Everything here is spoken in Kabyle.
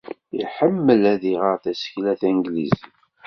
Iḥemmel ad iɣer tasekla tanglizit.